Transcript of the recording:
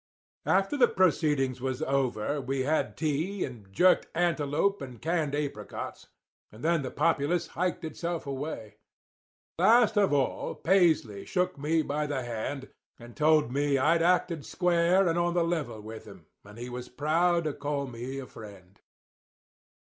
"After the proceedings was over we had tea and jerked antelope and canned apricots, and then the populace hiked itself away. Last of all Paisley shook me by the hand and told me I'd acted square and on the level with him and he was proud to call me a friend.